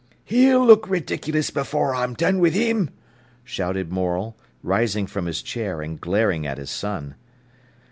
"He'll look ridiculous before I've done wi' him!" shouted Morel, rising from his chair and glaring at his son.